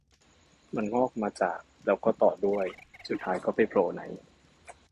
มันงอกมาจาก แล้วก็ต่อด้วย สุดท้ายก็ไปโผล่ใน